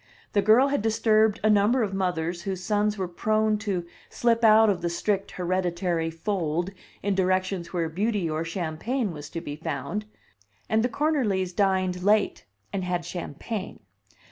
The girl had disturbed a number of mothers whose sons were prone to slip out of the strict hereditary fold in directions where beauty or champagne was to be found; and the Cornerlys dined late, and had champagne.